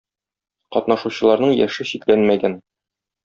Катнашучыларның яше чикләнмәгән.